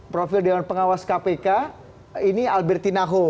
profil dewan pengawas kpk ini alberti naho